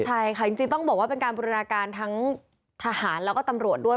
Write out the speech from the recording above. ใช่ค่ะจริงต้องบอกว่าเป็นการบูรณาการทั้งทหารแล้วก็ตำรวจด้วย